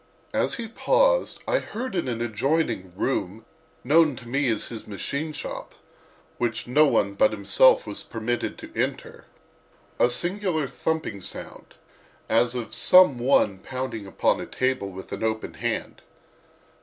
As he paused I heard in an adjoining room known to me as his "machine shop," which no one but himself was permitted to enter, a singular thumping sound, as of some one pounding upon a table with an open hand.